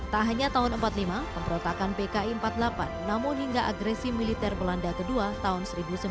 tak hanya tahun seribu sembilan ratus empat puluh lima pemberotakan pki empat puluh delapan namun hingga agresi militer belanda ii tahun seribu sembilan ratus sembilan puluh